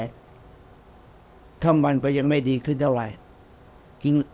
ท่อคนมันก็ยังไม่ดีขึ้นอะไร